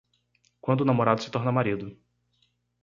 Quando o namorado se torna marido